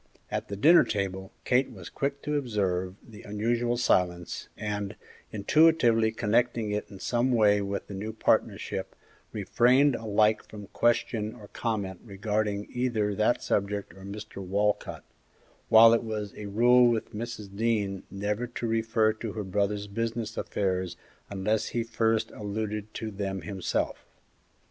At the dinner table, Kate was quick to observe the unusual silence, and, intuitively connecting it in some way with the new partnership, refrained alike from question or comment regarding either that subject or Mr. Walcott, while it was a rule with Mrs. Dean never to refer to her brother's business affairs unless he first alluded to them himself.